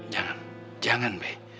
jangan jangan be